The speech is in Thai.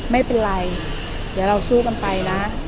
ไม่เป็นไรเดี๋ยวเราสู้กันไปนะ